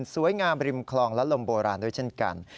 งามริมคลองและลมโบราณด้วยเช่นกัน